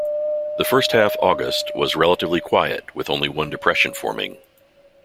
The first half August was relatively quiet, with only one depression forming.